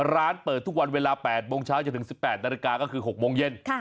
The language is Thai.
ร้านเปิดทุกวันเวลา๘โมงเช้าจนถึง๑๘นาฬิกาก็คือ๖โมงเย็น